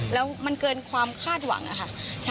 แล้วมันเกินความคาดหวังอะค่ะ